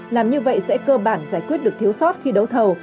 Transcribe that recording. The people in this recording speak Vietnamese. làm như vậy sẽ cơ bản giải quyết được thiếu sót khi đấu thầu